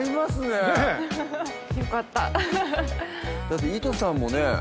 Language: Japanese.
だっていとさんもね